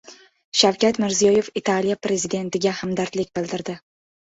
Shavkat Mirziyoyev Italiya Prezidentiga hamdardlik bildirdi